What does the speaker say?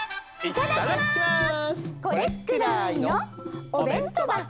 いっただきます！